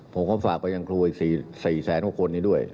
ผมก็ฝากไปยังครูอีก๔แสนกว่าคนนี้ด้วย